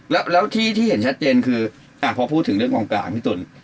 แล้วที่เห็นชัดเจนคือพอพูดถึงเรื่องกองกลางพี่ตุ๋น